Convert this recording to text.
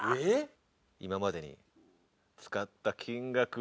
今までに使った金額は。